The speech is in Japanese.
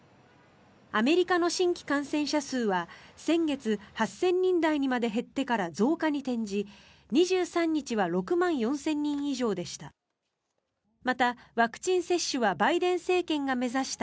アメリカの新規感染者数は先月８０００人台にまで減ってから増加に転じ、２３日は６万４０００人以上でした。